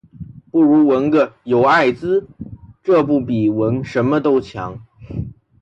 不如纹个“有艾滋”这不比纹什么都强